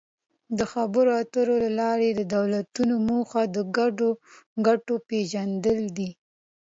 د خبرو اترو له لارې د دولتونو موخه د ګډو ګټو پېژندل دي